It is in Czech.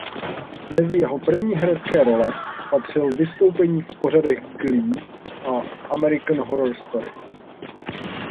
Mezi jeho první herecké role patřil vystoupení v pořadech Glee a American Horror Story.